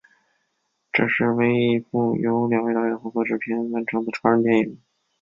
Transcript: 这是唯一一部由两位导演合作制片完成的超人电影。